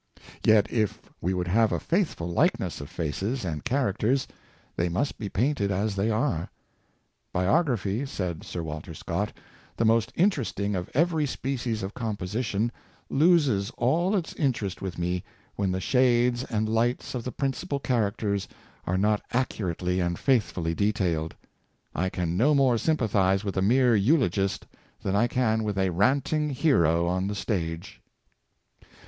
Yet, if we would have a faithful likeness of faces and characters, they must be painted as they are. " Bi ography," said Sir Walter Scott, " the most interesting of every species of composition, loses all its interest with me when the shades and lights of the principal characters are not accurately and faithfully detailed. I can no more sympathize with a mere eulogist than I can with a ranting hero on the stage."